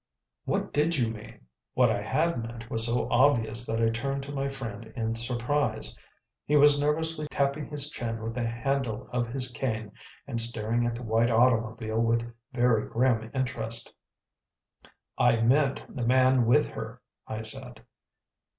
"What did you mean?" What I had meant was so obvious that I turned to my friend in surprise. He was nervously tapping his chin with the handle of his cane and staring at the white automobile with very grim interest. "I meant the man with her," I said.